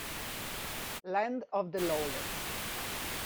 Land of the Lawless